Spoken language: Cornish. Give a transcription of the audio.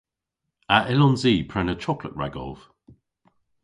A yllons i prena choklet ragov?